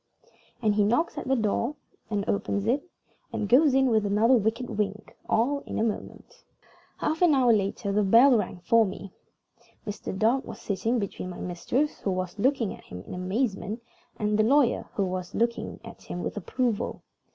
And he knocks at the door, and opens it, and goes in with another wicked wink, all in a moment. Half an hour later the bell rang for me. Mr. Dark was sitting between my mistress (who was looking at him in amazement) and the lawyer (who was looking at him with approval).